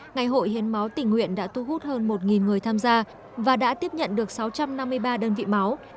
ngày hội hiến máu tỉnh nguyện đã thu hút hơn một người tham gia và đã tiếp nhận được sáu trăm năm mươi ba đơn vị máu